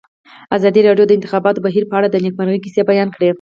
ازادي راډیو د د انتخاباتو بهیر په اړه د نېکمرغۍ کیسې بیان کړې.